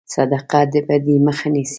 صدقه د بدي مخه نیسي.